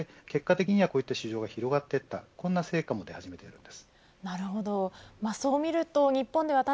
結果的にはこういった市場が広がっていった成果も出始めています。